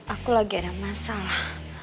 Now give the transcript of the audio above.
aku lagi ada masalah